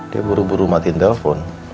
dia buru buru matiin telepon